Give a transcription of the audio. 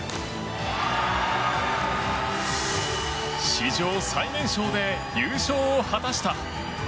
史上最年少で優勝を果たした。